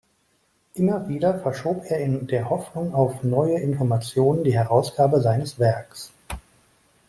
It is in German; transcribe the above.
Immer wieder verschob er in der Hoffnung auf neue Informationen die Herausgabe seines Werks.